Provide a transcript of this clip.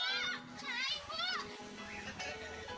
merekapimu banyak akibat